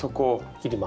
切ります。